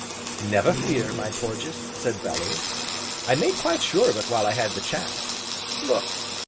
"Never fear, my Porges," said Bellew, "I made quite sure of it while I had the chance, look!"